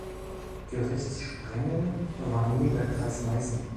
Gerichtssprengel war nun der Kreis Meißen.